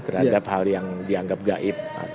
terhadap hal yang dianggap gaib